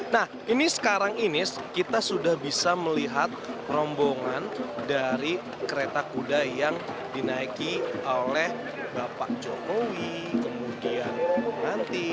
nah ini sekarang ini kita sudah bisa melihat rombongan dari kereta kuda yang dinaiki oleh bapak jokowi kemudian nanti